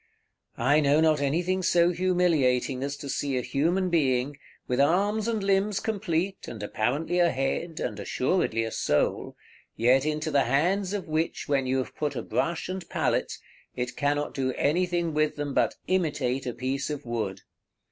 I know not anything so humiliating as to see a human being, with arms and limbs complete, and apparently a head, and assuredly a soul, yet into the hands of which when you have put a brush and pallet, it cannot do anything with them but imitate a piece of wood.